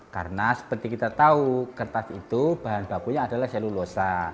karena seperti kita tahu kertas itu bahan bakunya adalah selulosa